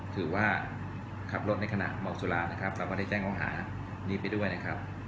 ถือว่าขับรถในขณะเมาสุรานะครับเราก็ได้แจ้งข้อหานี้ไปด้วยนะครับ